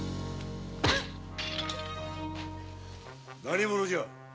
何者じゃ！？